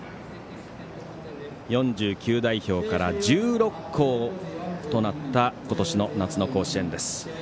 ４９代表から１６校となった今年の夏の甲子園です。